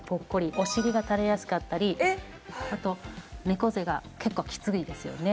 お尻が垂れやすかったりあと猫背が結構きついですよね。